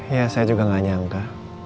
ya saya juga gak nyangka